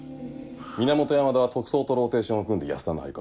源山田は特捜とローテーションを組んで安田の張り込み。